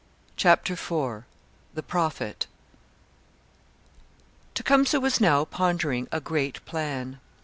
CHAPTER IV THE PROPHET Tecumseh was now pondering a great plan.